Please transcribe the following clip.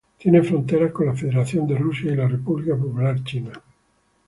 Tiene fronteras con la Federación de Rusia y la República Popular China.